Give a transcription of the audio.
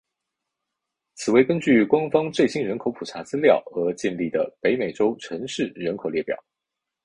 此为根据官方最新人口普查资料而建立的北美洲城市人口列表。